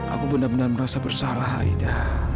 aku benar benar merasa bersalah ida